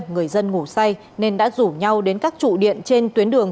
người dân ngủ say nên đã rủ nhau đến các trụ điện trên tuyến đường